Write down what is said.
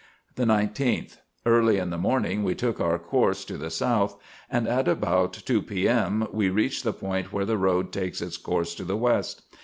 The 19th. Early in the morning we took our course to the IN EGYPT, NUBIA, &c. 341 south, and at about two P. M. we reached the point where the road takes its course to the west.